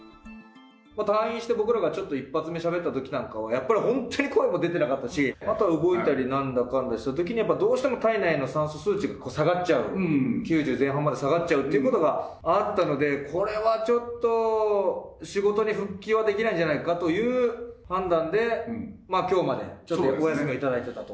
退院して僕らがちょっと一発目、しゃべったときなんかは、やっぱり本当に声も出てなかったし、あとは動いたりなんだかんだしたときに、どうしても体内の酸素数値が下がっちゃう、９０前半まで下がっちゃうということがあったので、これはちょっと仕事に復帰はできないんじゃないかという判断で、きょうまでちょっとお休みを頂いてたと。